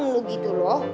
lu gitu loh